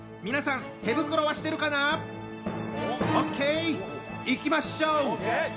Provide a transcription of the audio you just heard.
皆さん手袋はしてるかな？ＯＫ！いきましょう！